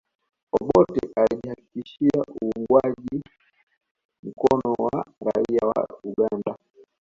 Obote alijihakikishia uungwaji mkono wa raia wa Uganda